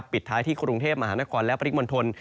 ปิดท้ายที่กรุงเทพฯมหานครและปฤกษ์บรรทน